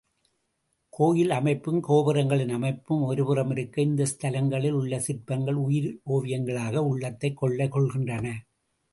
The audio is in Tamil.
கோயில் அமைப்பும் கோபுரங்களின் அமைப்பும் ஒருபுறமிருக்க இந்த ஸ்தலங்களில் உள்ள சிற்பங்கள் உயிரோவியங்களாக உள்ளத்தைக் கொள்ளை கொள்கின்றன.